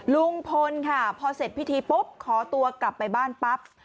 ลุงพลค่ะพอเสร็จพิธีปุ๊บขอตัวกลับไปบ้านปั๊บ